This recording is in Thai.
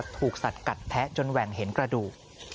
ถูกสัดกัดแพ้จนแหว่งเห็นกระดูก